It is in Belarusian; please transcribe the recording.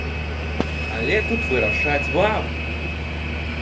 Але тут вырашаць вам!